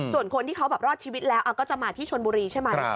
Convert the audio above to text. ส่วนคนที่เขาแบบรอดชีวิตแล้วก็จะมาที่ชนบุรีใช่ไหม